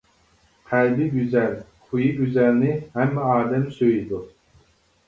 قەلبى گۈزەل، خۇيى گۈزەلنى ھەممە ئادەم سۆيىدۇ.